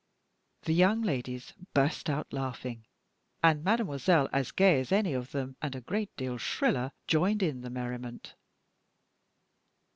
The young ladies burst out laughing, and mademoiselle, as gay as any of them and a great deal shriller, joined in the merriment.